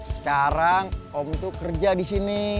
sekarang om itu kerja di sini